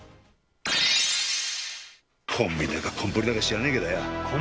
コンビニだかコンプリだか知らねえけどよ。